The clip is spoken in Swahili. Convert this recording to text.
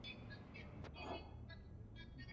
alikufa akiwa na umri wa miaka alobaini